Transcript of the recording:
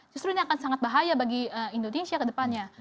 justru ini akan sangat bahaya bagi indonesia kedepannya